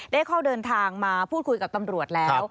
ได้เข้าเดินทางมาพูดคุยกับตำรวจแล้ว